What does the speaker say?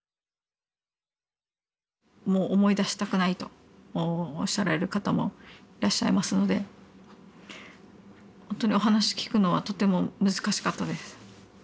もう思い出したくないとおっしゃられる方もいらっしゃいますのでほんとにお話聞くのはとても難しかったです。